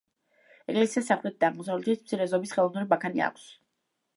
ეკლესიას სამხრეთით და აღმოსავლეთით მცირე ზომის ხელოვნური ბაქანი აქვს.